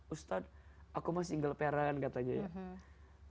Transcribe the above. ustadz aku mah single parent katanya ya